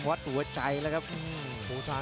หัวจิตหัวใจแก่เกินร้อยครับ